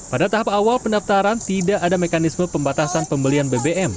pada tahap awal pendaftaran tidak ada mekanisme pembatasan pembelian bbm